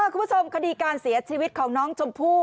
คุณผู้ชมคดีการเสียชีวิตของน้องชมพู่